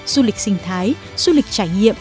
du lịch sinh thái du lịch trải nghiệm